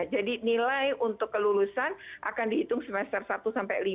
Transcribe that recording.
jadi nilai untuk kelulusan akan dihitung semester satu sampai lima